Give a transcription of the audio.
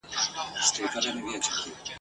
په دې کورکي رنګ په رنګ وه سامانونه !.